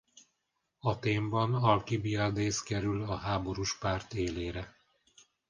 Athénban Alkibiadész kerül a háborús párt élére.